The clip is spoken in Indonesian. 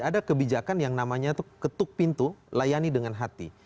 ada kebijakan yang namanya itu ketuk pintu layani dengan hati